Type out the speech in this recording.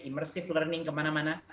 immersive learning kemana mana